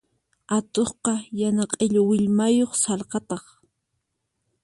Atuqqa yana q'illu willmayuq sallqataq.